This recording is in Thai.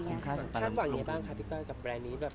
ข้างฝั่งอย่างนี้บ้างค่ะพี่ก้อยกับแบรนด์นี้